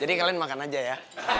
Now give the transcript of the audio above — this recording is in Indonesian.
jadi kalian makan aja ya